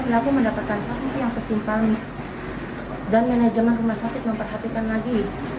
pelaku mendapatkan sanksi yang setimpal dan manajemen rumah sakit memperhatikan lagi